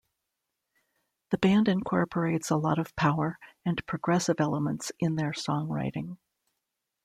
The band incorporates a lot of power and progressive elements in their songwriting.